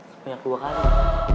sepenuhnya dua kali